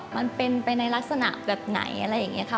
มันเป็นไปในลักษณะแบบไหนอะไรอย่างนี้ค่ะ